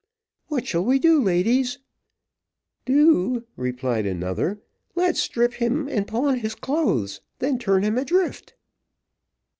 "What shall we do, ladies?" "Do," replied another; "let's strip him, and pawn his clothes, and then turn him adrift."